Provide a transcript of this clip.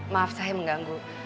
maaf saya mengganggu